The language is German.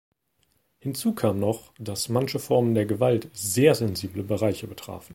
Hinzu kam noch, dass manche Formen der Gewalt sehr sensible Bereiche betrafen.